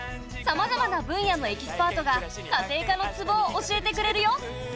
さまざまな分野のエキスパートが家庭科のツボを教えてくれるよ。